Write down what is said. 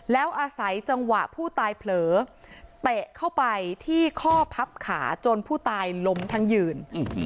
แล้วอาศัยจังหวะผู้ตายเผลอเตะเข้าไปที่ข้อพับขาจนผู้ตายล้มทั้งยืน